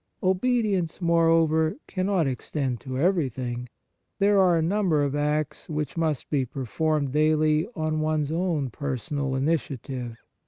Obedience, more over, cannot extend to everything ; there are a number of acts which must be performed daily on one s own personal initiative.